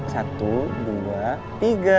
satu dua tiga